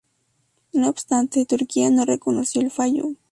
No obstante, Turquía no reconoció el fallo.